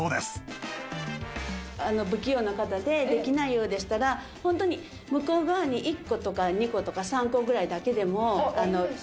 不器用な方でできないようでしたらホントに向こう側に１個とか２個とか３個ぐらいだけでもいいんですか？